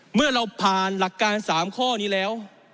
เมื่อเราผ่านหลักการ๓ข้อนี้แล้ว